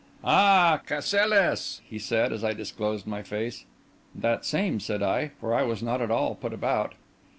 "Ah! Cassilis!" he said, as I disclosed my face. "That same," said I; for I was not at all put about.